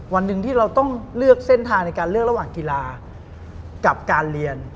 วันหนึ่งที่เราต้องเลือกเส้นทางในการเลือกระหว่างกีฬากับการเรียน